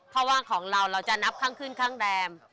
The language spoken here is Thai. เพราะว่าของเราเราจะนับข้างขึ้นข้างแรม